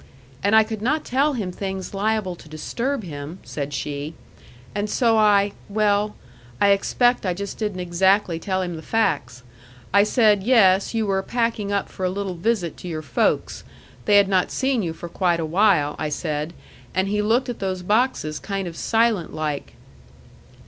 "And I could not tell him things liable to disturb him," said she, "and so I well, I expect I just didn't exactly tell him the facts. I said yes, you were packing up for a little visit to your folks. They had not seen you for quite a while, I said. And he looked at those boxes kind of silent like."